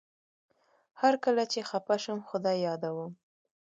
هر کله چي خپه شم خدای يادوم